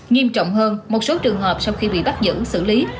nghiêm trọng hơn một số trường hợp sau khi bị bắt giữ xử lý